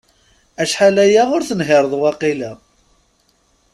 Acḥal aya ur tenhireḍ waqila?